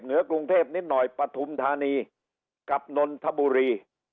เหนือกรุงเทพนิดหน่อยปฐุมธานีกับนนทบุรี